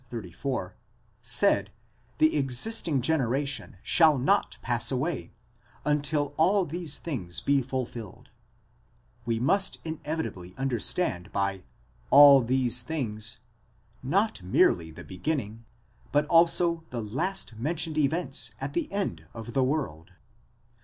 34) said, the existing generation shall not pass away, ἕως ἂν πάντα ταῦτα γένηται, until all these things be fulfilled; we must inevitably understand by πάντα ταῦτα, all these things, not merely the beginning, but also the last mentioned events at the end of the world.